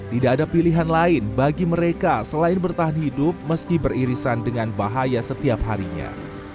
tidak ada pilihan lain bagi mereka selain bertahan hidup meski beririsan dengan bahaya setiap harinya